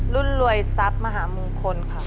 รุ่นรวยทรัพย์มหามงคลค่ะ